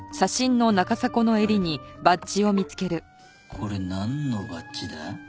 これなんのバッジだ？